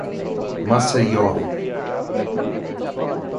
Maceió